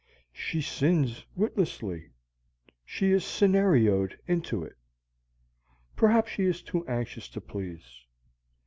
She sins witlessly: she is scenarioed into it. Perhaps she is too anxious to please.